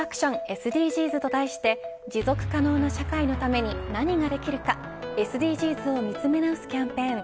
ＳＤＧｓと題して持続可能な社会のために何ができるかＳＤＧｓを見つめ直すキャンペーン。